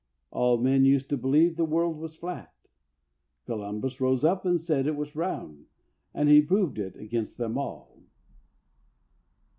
All men used to believe the world was flat. Columbus rose up and said it was round, and he proved it against them all.